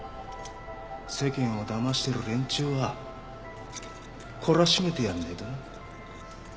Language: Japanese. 世間をだましてる連中は懲らしめてやらねえとな。